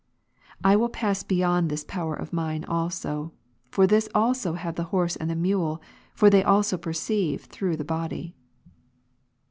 I will pass beyond this power of mine also ; for this also have the horse and mule, for they also perceive through the body.